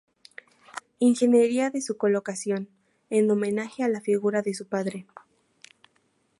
Ingeniería de su colocación", en homenaje a la figura de su padre.